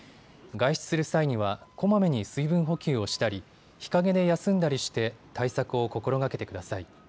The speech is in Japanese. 外出する際にはこまめに水分補給をしたり日陰で休んだりして対策を心がけてください。